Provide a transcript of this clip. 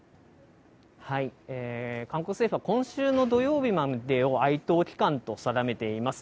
韓国政府は今週の土曜日までを哀悼期間と定めています。